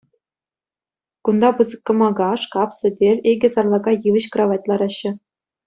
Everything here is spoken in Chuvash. Кӳнта пысӑк кӑмака, шкап, сӗтел, икӗ сарлака йывӑҫ кравать лараҫҫӗ.